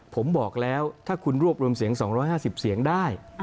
ผมบอกแล้วถ้าคุณรวบรวมเสียง๒๕๐เสียงได้